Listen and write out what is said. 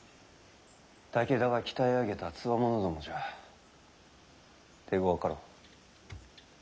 武田が鍛え上げたつわものどもじゃ手ごわかろう。